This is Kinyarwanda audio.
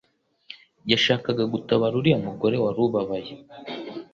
Yashakaga gutabara uriya mugore wari ubabaye